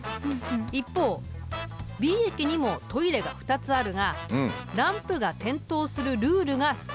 一方Ｂ駅にもトイレが２つあるがランプが点灯するルールが少し違う。